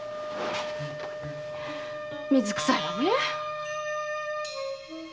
水くさいわね！